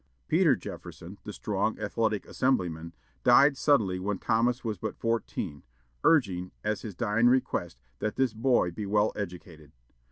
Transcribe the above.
Peter Jefferson, the strong, athletic Assemblyman, died suddenly when Thomas was but fourteen, urging, as his dying request, that this boy be well educated.